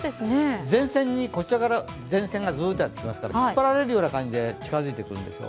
前線がこちらからやってきますから引っ張られるような感じで近づいてくるんですよ。